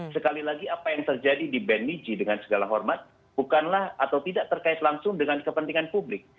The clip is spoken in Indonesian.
sekali lagi apa yang terjadi di band niji dengan segala hormat bukanlah atau tidak terkait langsung dengan kepentingan publik